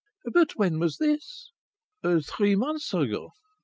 "But when was this?" "Three months ago.